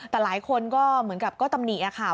แต่หลายคนก็เหมือนกับก็ตำหนิค่ะ